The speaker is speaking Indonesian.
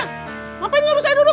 ngapain gak harus saya duduk